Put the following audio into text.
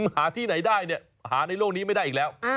หาที่ไหนได้เนี่ยหาในโลกนี้ไม่ได้อีกแล้ว